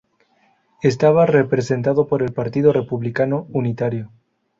Estaba representado por el Partido Republicano Unitario.